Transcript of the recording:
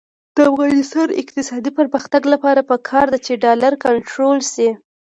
د افغانستان د اقتصادي پرمختګ لپاره پکار ده چې ډالر کنټرول شي.